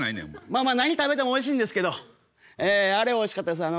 まあまあ何食べてもおいしいんですけどあれおいしかったですね